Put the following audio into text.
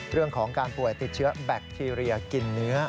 เรื่องของการป่วยติดเชื้อแบคทีเรียกินเนื้อ